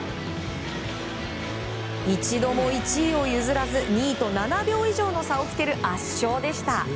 一度も１位を譲らず２位と７秒以上の差をつける圧勝でした。